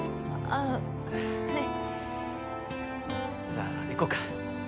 じゃあ行こうか？